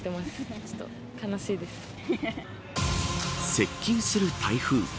接近する台風。